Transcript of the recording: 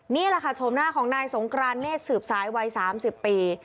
นี่แหละค่ะโฉมหน้าของนายสงกรานเนธสืบสายวัย๓๐ปี